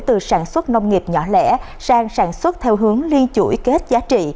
từ sản xuất nông nghiệp nhỏ lẻ sang sản xuất theo hướng liên chuỗi kết giá trị